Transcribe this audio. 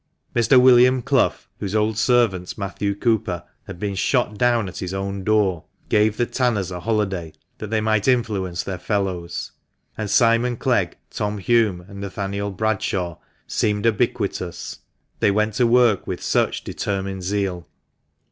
Mr. William Clough, whose old servant Matthew Cooper had been shot 192 THE MANCHESTER MAN. down at his own door, gave the tanners a holiday, that they might influence their fellows ; and Simon Clegg, Tom Hulme, and Nathaniel Bradshaw seemed ubiquitous, they went to work with such determined zeal.